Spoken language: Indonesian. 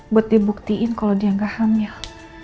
buat dibuktiin kalau dia gak hamil